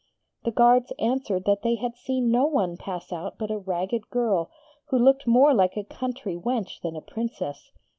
The guards answered that they had seen no one pass out but a ragged girl, who looked more like a country wench than a Princess.